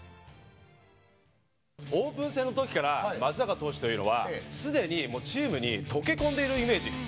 オープン戦の時から松坂投手というのは、すでにチームに溶け込んでいるイメージ。